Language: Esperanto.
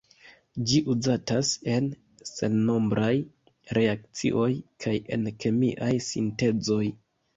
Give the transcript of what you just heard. Ĝi uzatas en sennombraj reakcioj kaj en kemiaj sintezoj.